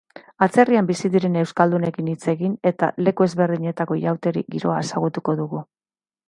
Atzerrian bizi diren euskaldunekin hitz egin eta leku ezberdinetako inauteri giroa ezagutuko dugu.